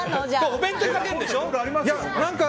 お弁当にかけるんでしょ？